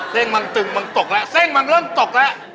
่งมันตึงมันตกแล้วเส้งมันเริ่มตกแล้ว